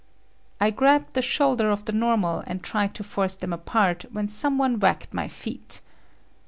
I grabbed the shoulder of the normal and tried to force them apart when some one whacked my feet.